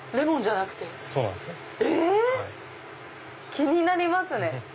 気になりますね！